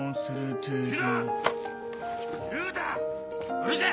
・うるせぇ！